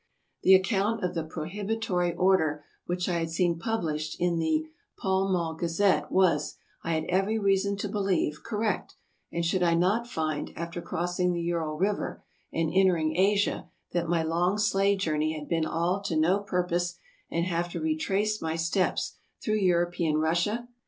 The account of the prohibitory order which I had seen published in the " Pall Mall Gazette " was, I had every reason to believe, correct; and should I not find, after crossing the Ural river, and entering Asia, that my long sleigh journey had been all to no purpose and have to re trace my steps through European Russia